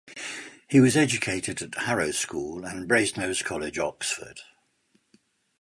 He was educated at Harrow School, and Brasenose College, Oxford.